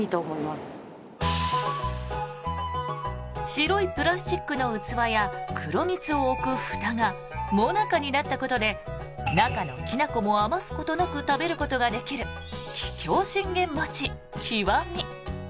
白いプラスチックの器や黒蜜を置くふたがもなかになったことで中のきな粉も余すことなく食べることができる桔梗信玄餅極。